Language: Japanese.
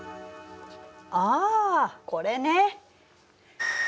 ああこれね。